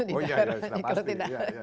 oh ya ya sudah pasti